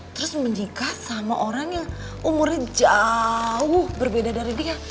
terus menikah sama orang yang umurnya jauh berbeda dari dia